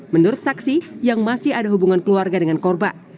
menurut saksi yang masih ada hubungan keluarga dengan korban